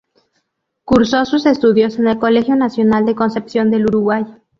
Cursó sus estudios en el Colegio Nacional de Concepción del Uruguay.